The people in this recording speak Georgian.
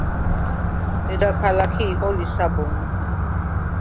დედაქალაქი იყო ლისაბონი.